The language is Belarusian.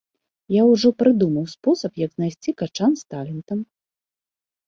Я ўжо прыдумаў спосаб, як знайсці качан з талентам.